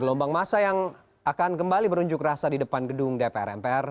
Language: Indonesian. gelombang masa yang akan kembali berunjuk rasa di depan gedung dpr mpr